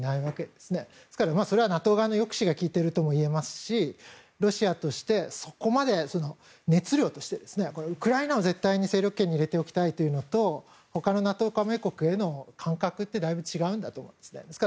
ですから、それはＮＡＴＯ側の抑止が利いているとも言えますしロシアとしてそこまで熱量としてウクライナを絶対に勢力圏に入れておきたいというのと他のＮＡＴＯ加盟国への感覚ってだいぶ違うんだと思います。